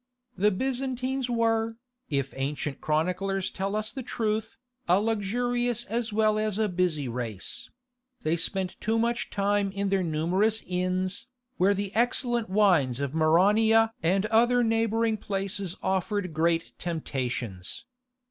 The Byzantines were, if ancient chroniclers tell us the truth, a luxurious as well as a busy race: they spent too much time in their numerous inns, where the excellent wines of Maronea and other neighbouring places offered great temptations.